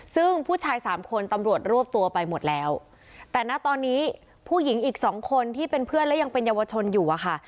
ซึ่งผู้ชายสามคนตำรวจรวบตัวไปหมดแล้วแต่นะตอนนี้ผู้หญิงอีกสองคนที่เป็นเพื่อนและยังเป็นเยาวชนอยู่อะค่ะ